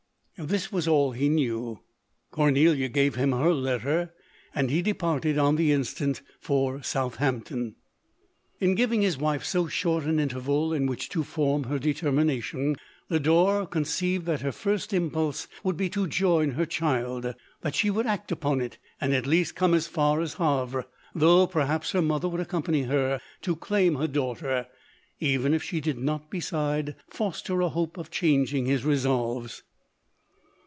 This was all he knew ; Cornelia gave him her letter, and he de parted on the instant for Southampton. In giving his wife so short an interval in which to form her determination, Lodore con ceived that her first impulse would be to join her child, that she would act upon it, and at least come as far as Havre, though perhaps her mother would accompany her, to claim her daughter, even if she did not besides foster a hope of changing his resolves.